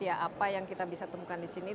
ya apa yang kita bisa temukan disini